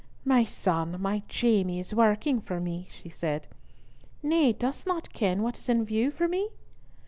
"My son, my Jamie, is working for me!" she said. "Nay, dost not ken what is in view for me?"